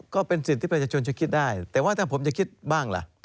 ก็เป็นสิทธิ์ที่ประชาชนจะคิดได้แต่ว่าถ้าผมจะคิดบ้างล่ะ